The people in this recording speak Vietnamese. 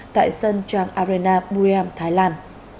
tại sơn trang arena buriam thái lan